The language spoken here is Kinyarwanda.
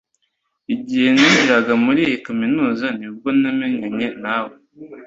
Igihe ninjiraga muri iyi kaminuza ni bwo namenyanye na we.